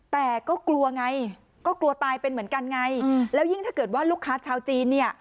แต่ก็กลัวไงก็กลัวตายเป็นเหมือนกันไงแล้วยิ่งถ้าเกิดว่าลูกค้าชาวจีนเนี่ย